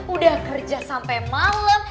udah kerja sampe malem